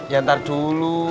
ya ntar dulu